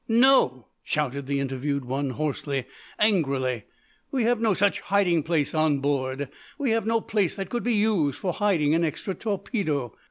"No!" shouted the interviewed one, hoarsely, angrily. "We have no such hiding place on board. We have no place that could be used for hiding an extra torpedo."